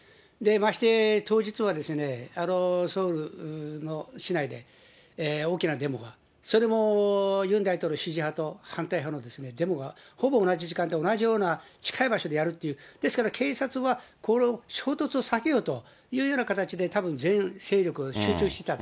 まして当日はソウルの市内で大きなデモが、それもユン大統領支持派と反対派のデモが、ほぼ同じ時間で同じような近い場所でやるっていう、ですから警察は、これを衝突を避けようという形で、たぶん全精力を集中していた。